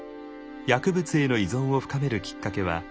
薬物への依存を深めるきっかけはその失敗でした。